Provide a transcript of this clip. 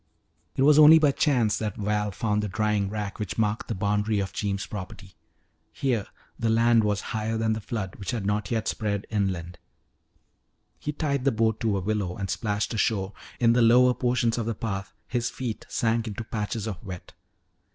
It was only by chance that Val found the drying rack which marked the boundary of Jeems' property. Here the land was higher than the flood, which had not yet spread inland. He tied the boat to a willow and splashed ashore. In the lower portions of the path his feet sank into patches of wet.